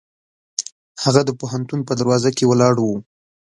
هغه د پوهنتون په دروازه کې ولاړ و.